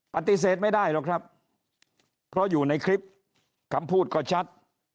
ปฏิเสธไม่ได้หรอกครับเพราะอยู่ในคลิปคำพูดก็ชัด